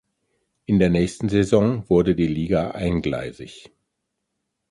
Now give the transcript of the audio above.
In der nächsten Saison wurde die Liga eingleisig.